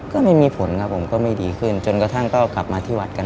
ก็ไม่มีผลครับผมก็ไม่ดีขึ้นจนกระทั่งก็กลับมาที่วัดกัน